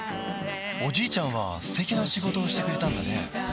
おじいちゃんは素敵な仕事をしてくれたんだね